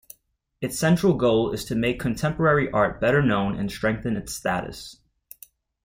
Its central goal is to make contemporary art better known and strengthen its status.